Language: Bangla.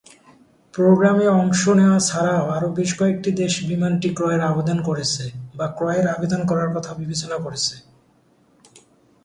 প্রোগ্রামে অংশ নেয়া ছাড়াও আরো বেশ কয়েকটি দেশ বিমানটি ক্রয়ের আবেদন করেছে, বা ক্রয়ের আবেদন করার কথা বিবেচনা করছে।